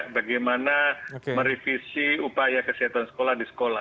bagaimana merevisi upaya kesehatan sekolah di sekolah